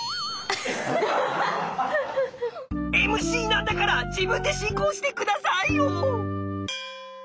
ＭＣなんだから自分で進行して下さいよ！